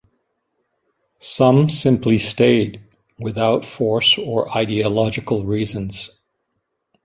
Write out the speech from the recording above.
Some simply stayed, without force or ideological reasons.